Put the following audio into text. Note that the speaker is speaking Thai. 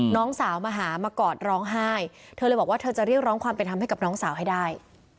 น้องสาวมาหามากอดร้องไห้เธอเลยบอกว่าเธอจะเรียกร้องความเป็นธรรมให้กับน้องสาวให้ได้